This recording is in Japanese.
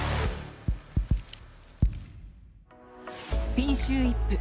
ピンシュー・イップ。